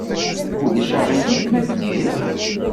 Ulac aɣilif ma ddiɣ?